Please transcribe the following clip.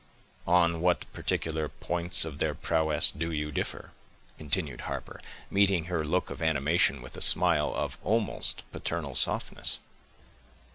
"On what particular points of their prowess do you differ?" continued Harper, meeting her look of animation with a smile of almost paternal softness.